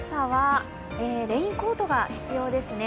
レインコートが必要ですね。